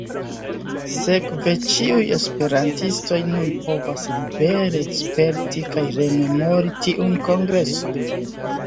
Sekve ĉiuj esperantistoj nun povas libere sperti kaj rememori tiun kongreson.